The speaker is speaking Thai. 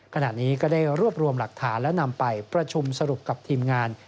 ขณะนี้ก็ได้รวบรวมหลักฐานและนำไปประชุมสรุปกับทีมงาน